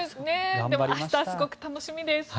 明日、すごく楽しみです。